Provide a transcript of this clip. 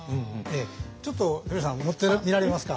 ちょっと冨永さん持ってみられますか？